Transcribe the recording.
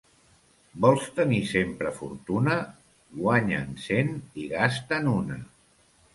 Vols tenir sempre fortuna? Guanya'n cent i gasta'n una.